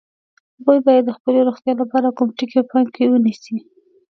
هغوی باید د خپلې روغتیا لپاره کوم ټکي په پام کې ونیسي؟